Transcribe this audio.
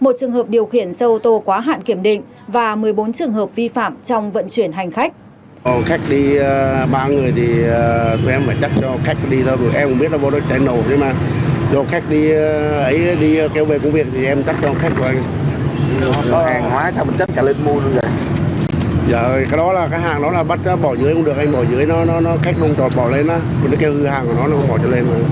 một trường hợp điều khiển xe ô tô quá hạn kiểm định và một mươi bốn trường hợp vi phạm trong vận chuyển hành khách